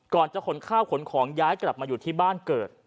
ก่อนจะขนข้าวขนของย้ายกลับมาอยู่ที่บ้านเกิด